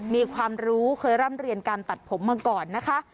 มีความรู้เคยร่ำเรียนการตัดผมมาก่อนนะคะ